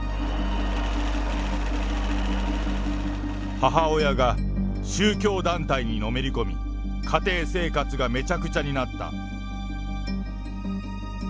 母親が宗教団体にのめり込み、家庭生活がめちゃくちゃになった。